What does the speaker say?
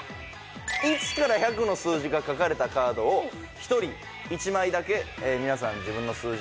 １から１００の数字が書かれたカードを１人１枚だけ皆さん自分の数字